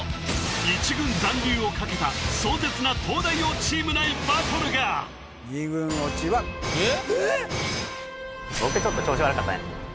１軍残留をかけた壮絶な東大王チーム内バトルがえっ！？